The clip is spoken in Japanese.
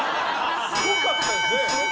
すごかったよね。